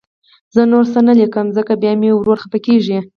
زه نور څه نه لیکم، ځکه بیا مې ورور خفه کېږي